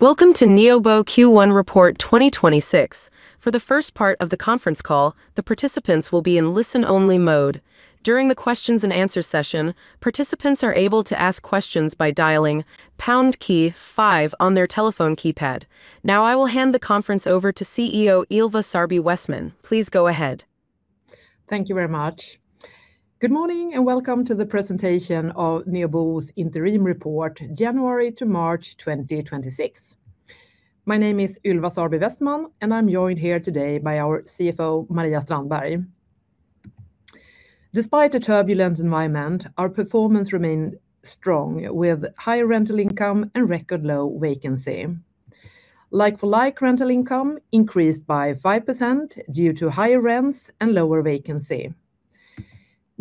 Welcome to Neobo Q1 report 2026. For the first part of the conference call, the participants will be in listen-only mode. During the questions and answers session, participants are able to ask questions by dialing pound key five on their telephone keypad. Now I will hand the conference over to CEO Ylva Sarby Westman. Please go ahead. Thank you very much. Good morning, and welcome to the presentation of Neobo's interim report, January to March 2026. My name is Ylva Sarby Westman, and I'm joined here today by our CFO, Maria Strandberg. Despite a turbulent environment, our performance remained strong, with higher rental income and record low vacancy. Like-for-like rental income increased by 5% due to higher rents and lower vacancy.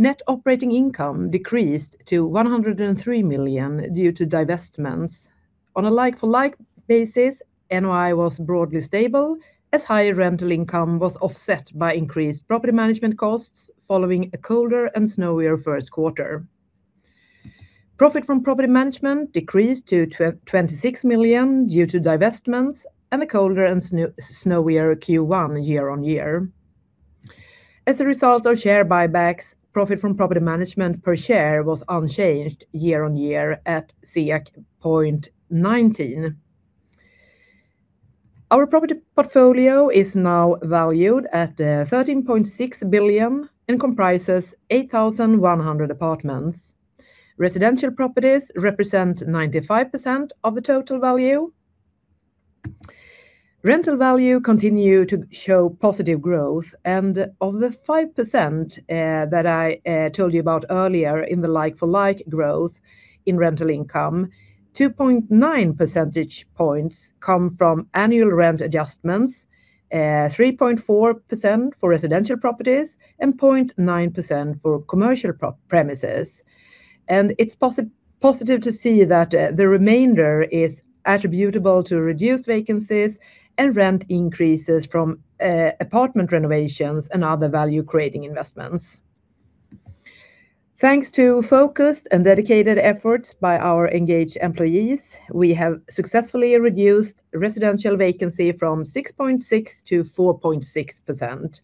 Net operating income decreased to 103 million due to divestments. On a like-for-like basis, NOI was broadly stable as higher rental income was offset by increased property management costs following a colder and snowier first quarter. Profit from property management decreased to 26 million due to divestments and the colder and snowier Q1 year-on-year. As a result of share buybacks, profit from property management per share was unchanged year-on-year at 0.19. Our property portfolio is now valued at 13.6 billion and comprises 8,100 apartments. Residential properties represent 95% of the total value. Rental value continues to show positive growth, and of the 5% that I told you about earlier in the like-for-like growth in rental income, 2.9 percentage points come from annual rent adjustments, 3.4% for residential properties, and 0.9% for commercial premises. It's positive to see that the remainder is attributable to reduced vacancies and rent increases from apartment renovations and other value-creating investments. Thanks to focused and dedicated efforts by our engaged employees, we have successfully reduced residential vacancy from 6.6%-4.6%,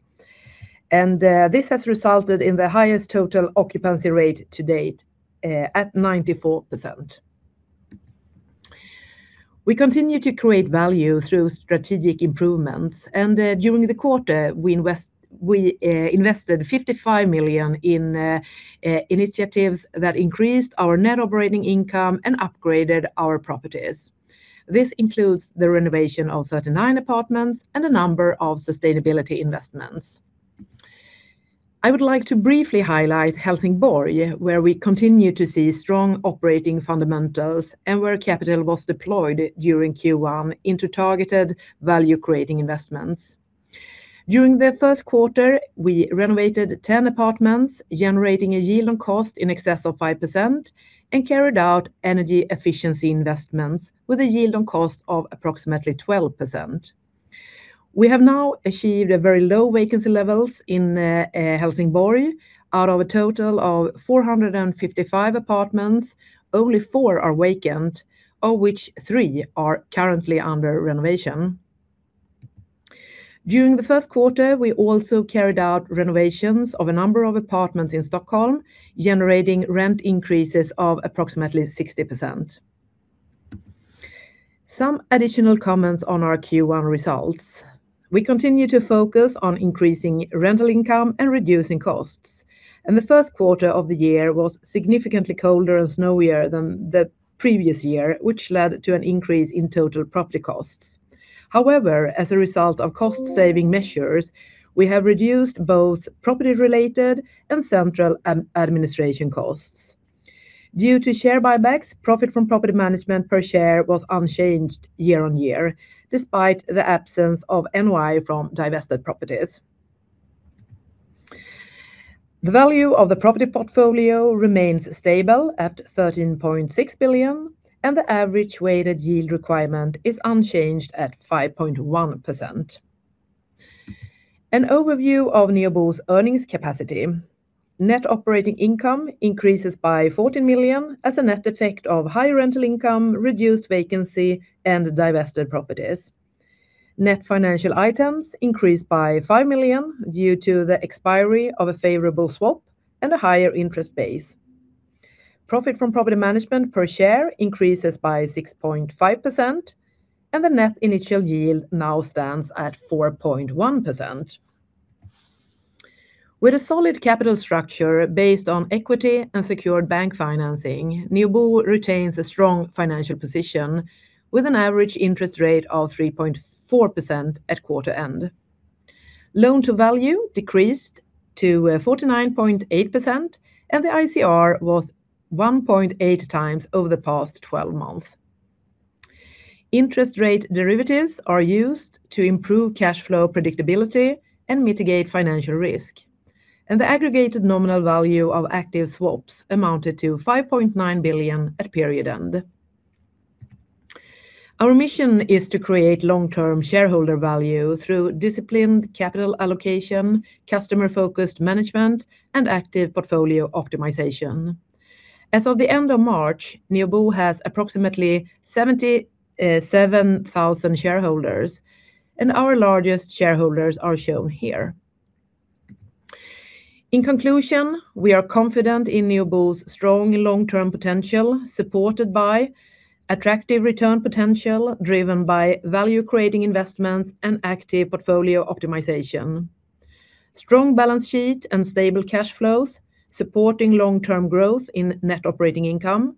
and this has resulted in the highest total occupancy rate to date at 94%. We continue to create value through strategic improvements, and during the quarter, we invested 55 million in initiatives that increased our net operating income and upgraded our properties. This includes the renovation of 39 apartments and a number of sustainability investments. I would like to briefly highlight Helsingborg, where we continue to see strong operating fundamentals and where capital was deployed during Q1 into targeted value-creating investments. During the first quarter, we renovated 10 apartments, generating a yield on cost in excess of 5%, and carried out energy efficiency investments with a yield on cost of approximately 12%. We have now achieved very low vacancy levels in Helsingborg. Out of a total of 455 apartments, only four are vacant, of which three are currently under renovation. During the first quarter, we also carried out renovations of a number of apartments in Stockholm, generating rent increases of approximately 60%. Some additional comments on our Q1 results. We continue to focus on increasing rental income and reducing costs. The first quarter of the year was significantly colder and snowier than the previous year, which led to an increase in total property costs. However, as a result of cost-saving measures, we have reduced both property-related and central administration costs. Due to share buybacks, profit from property management per share was unchanged year-on-year, despite the absence of NOI from divested properties. The value of the property portfolio remains stable at 13.6 billion, and the average weighted yield requirement is unchanged at 5.1%. An overview of Neobo's earnings capacity. Net operating income increases by 14 million as a net effect of higher rental income, reduced vacancy, and divested properties. Net financial items increased by 5 million due to the expiry of a favorable swap and a higher interest base. Profit from property management per share increases by 6.5%, and the net initial yield now stands at 4.1%. With a solid capital structure based on equity and secured bank financing, Neobo retains a strong financial position with an average interest rate of 3.4% at quarter end. Loan to value decreased to 49.8%, and the ICR was 1.8x over the past 12 months. Interest rate derivatives are used to improve cash flow predictability and mitigate financial risk, and the aggregated nominal value of active swaps amounted to 5.9 billion at period end. Our mission is to create long-term shareholder value through disciplined capital allocation, customer-focused management, and active portfolio optimization. As of the end of March, Neobo has approximately 77,000 shareholders, and our largest shareholders are shown here. In conclusion, we are confident in Neobo's strong long-term potential, supported by attractive return potential, driven by value-creating investments and active portfolio optimization. Strong balance sheet and stable cash flows, supporting long-term growth in net operating income.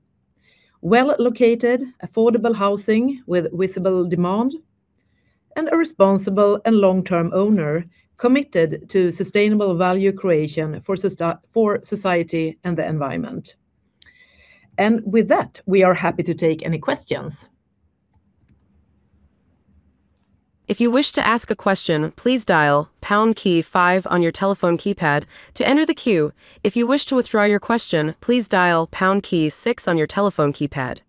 Well-located, affordable housing with visible demand, and a responsible and long-term owner committed to sustainable value creation for society and the environment. With that, we are happy to take any questions. If you wish to ask a question please dial pound key five on your telephone keypad to enter the queue. If you wish to withdraw your question, please dial pound key six on your telephone keypad.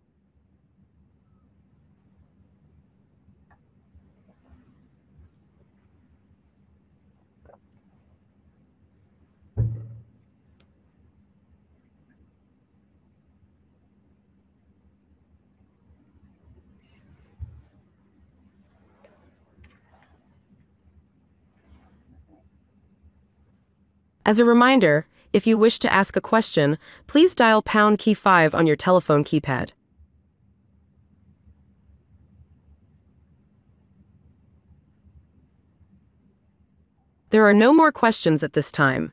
As a reminder, if you wish to ask a question, please dial pound key five on your telephone keypad. There are no more questions at this time.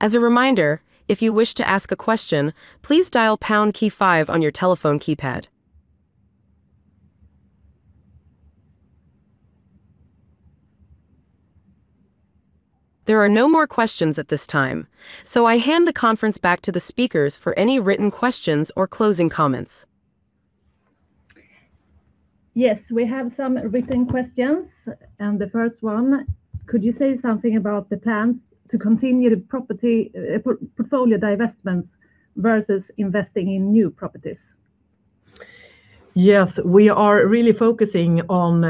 I hand the conference back to the speakers for any written questions or closing comments. Yes, we have some written questions, and the first one. Could you say something about the plans to continue the portfolio divestments versus investing in new properties? Yes. We are really focusing on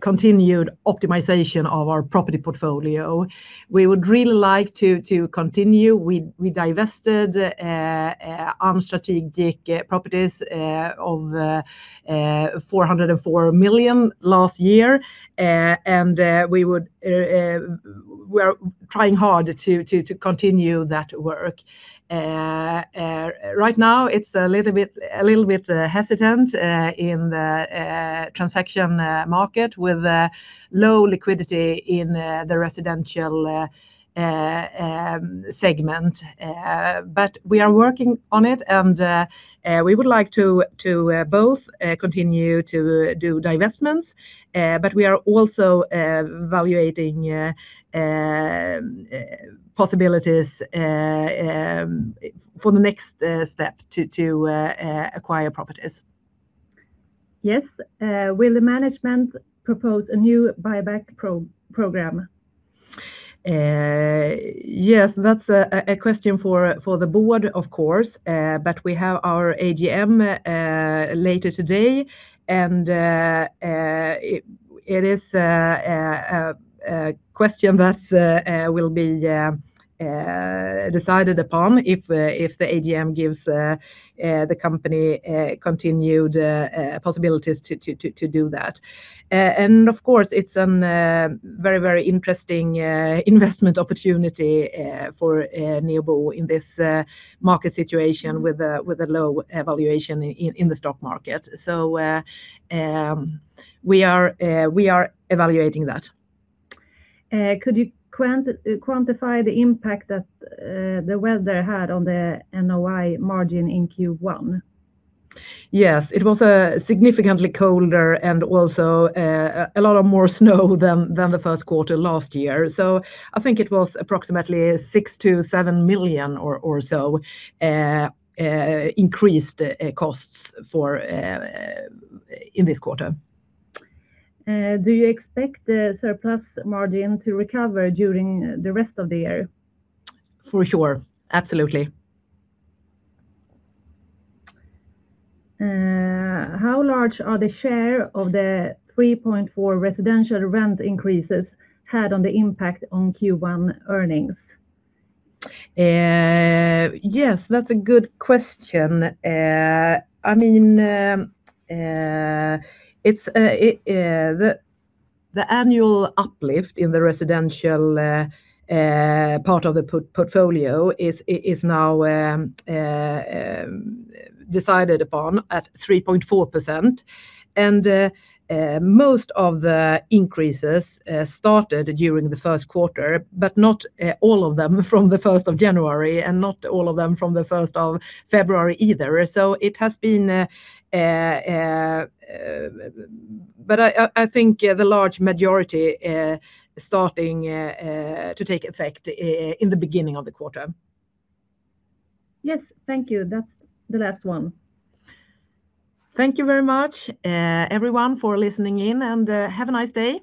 continued optimization of our property portfolio. We would really like to continue. We divested unstrategic properties of 404 million last year. We are trying hard to continue that work. Right now, it's a little bit hesitant in the transaction market, with low liquidity in the residential segment. We are working on it, and we would like to both continue to do divestments, but we are also evaluating possibilities for the next step to acquire properties. Yes. Will the management propose a new buyback program? Yes. That's a question for the board, of course, but we have our AGM later today, and it is a question that will be decided upon if the AGM gives the company continued possibilities to do that. Of course, it's a very interesting investment opportunity for Neobo in this market situation with a low evaluation in the stock market. We are evaluating that. Could you quantify the impact that the weather had on the NOI margin in Q1? Yes. It was significantly colder, and also a lot more snow than the first quarter last year. I think it was approximately 6 million-7 million or so increased costs in this quarter. Do you expect the surplus margin to recover during the rest of the year? For sure. Absolutely. How large is the share of the 3.4% residential rent increases' impact on Q1 earnings? Yes, that's a good question. The annual uplift in the residential part of the portfolio is now decided upon at 3.4%, and most of the increases started during the first quarter, but not all of them from the 1st of January, and not all of them from the 1st of February either. I think the large majority starting to take effect in the beginning of the quarter. Yes. Thank you. That's the last one. Thank you very much, everyone, for listening in, and have a nice day.